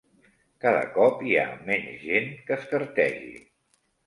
Cada cop hi ha menys gent que es cartegi.